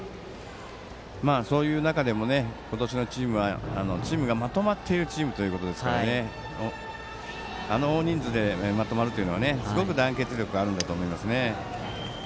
そういう中でも、今年はチームがまとまっているということですからあの大人数でまとまるのはすごく団結力があるんだと思いますね。